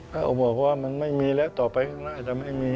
ก็บอกว่ามันไม่มีแล้วต่อไปข้างหน้าจะไม่มี